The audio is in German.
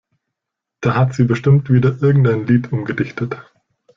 Da hat sie bestimmt wieder irgendein Lied umgedichtet.